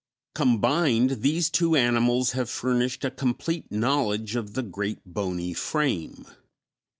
Combined, these two animals have furnished a complete knowledge of the great bony frame.